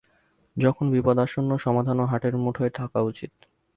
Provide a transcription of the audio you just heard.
যখন বিপদ আসন্ন, সমাধানও হাতের মুঠোয় থাকা উচিত।